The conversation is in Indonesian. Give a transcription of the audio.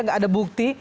nggak ada bukti